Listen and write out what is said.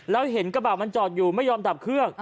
แล้วเห็นกระบะมันจอดอยู่ไม่ยอมดับเครื่อง